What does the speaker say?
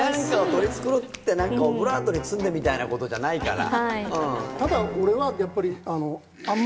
取り繕ってオブラートに包んでみたいなことじゃないから。